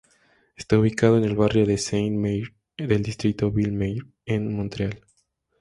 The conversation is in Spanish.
Está ubicado en el barrio de Sainte-Marie del distrito Ville-Marie, en Montreal.